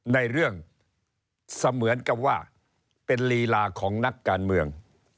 ในเรื่องเสมือนกับว่าเป็นลีลาของนักการเมือง